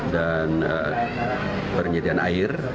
dan pernyediaan air